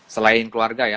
selain keluarga ya